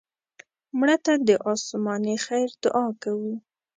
مړه ته د آسماني خیر دعا کوو